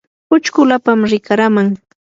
uchkulapam rikaraman.